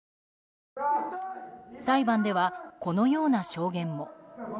裁判では、このような証言も。